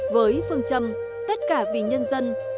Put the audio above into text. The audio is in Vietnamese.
với phương châm tất cả vì nhân dân